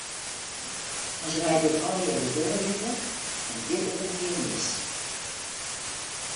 As wy dit allegear gewurde litte, dan giet it in kear mis.